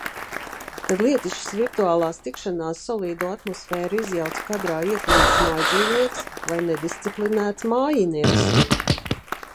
Kad lietišķas virtuālas tikšanās solīdo atmosfēru izjauc kadrā ieklīdis mājdzīvnieks vai nedisciplinēts mājinieks.